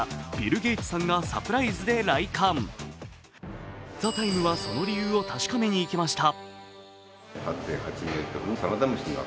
「ＴＨＥＴＩＭＥ，」はその理由を確かめに行きました。